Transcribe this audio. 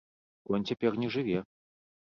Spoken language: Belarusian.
Конь цяпер не жыве.